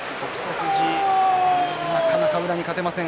富士、なかなか宇良に勝てません。